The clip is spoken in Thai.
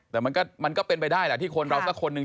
แต่มันก็เป็นไปได้แหละที่คนเราสักคนหนึ่ง